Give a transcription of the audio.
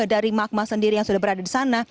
dari magma sendiri yang sudah berada di sana